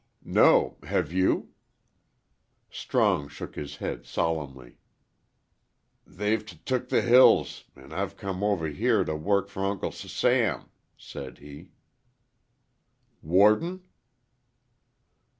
"No. Have you?" Strong shook his head solemnly. "They've t took the hills, an' I've come over here t' work fer Uncle S sam," said he. "Warden?"